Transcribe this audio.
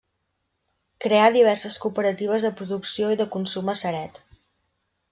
Creà diverses cooperatives de producció i de consum a Ceret.